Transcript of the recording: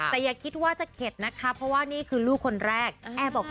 แต่อย่าคิดว่าจะเข็ดนะคะเพราะว่านี่คือลูกคนแรกบอก